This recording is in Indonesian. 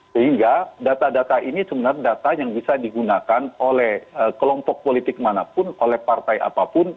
sehingga data data ini sebenarnya data yang bisa digunakan oleh kelompok politik manapun oleh partai apapun